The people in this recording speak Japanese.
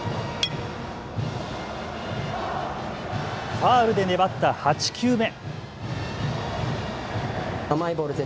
ファールで粘った８球目。